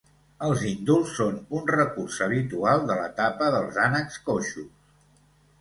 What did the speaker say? Els indults són un recurs habitual de l’etapa dels ànecs coixos.